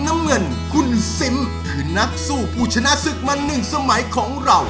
น้ำเงินคุณซิมคือนักสู้ผู้ชนะศึกมาหนึ่งสมัยของเรา